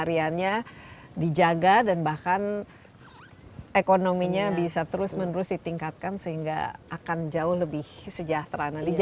variannya dijaga dan bahkan ekonominya bisa terus menerus ditingkatkan sehingga akan jauh lebih sejahtera digital